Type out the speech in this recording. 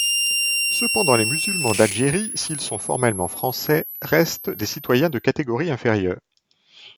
Cependant, les musulmans d'Algérie, s'ils sont formellement français, restent des citoyens de catégorie inférieure.